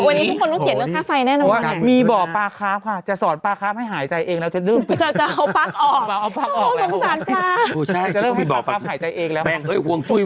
วันนี้ทุกคนต้องเขียนเรื่องภาษาไฟแน่นอนไหม